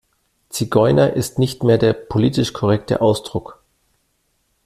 Zigeuner ist nicht mehr der politische korrekte Ausdruck.